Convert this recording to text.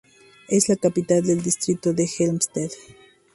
Es la capital del Distrito de Helmstedt.